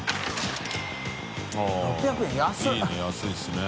◆舛いいね安いですね。